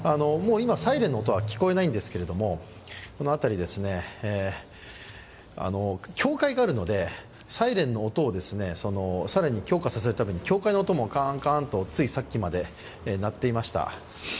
今、サイレンの音は聞こえないんですけれども、この辺り、教会があるのでサイレンの音を、更に強化させるために、教会音もカーン、カーンと、つい先ほどまで鳴っていました。